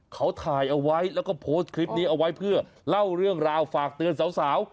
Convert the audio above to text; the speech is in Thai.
เขาถ่ายเอาไว้แล้วก็โพสต์คลิปนี้เอาไว้เพื่อเล่าเรื่องราวฝากเตือนสาว